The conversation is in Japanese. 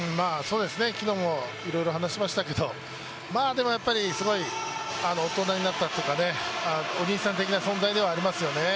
昨日もいろいろ話しましたけれども、すごい音になったというか、お兄さん的な存在になりましたよね。